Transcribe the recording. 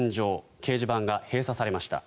掲示板が閉鎖されました。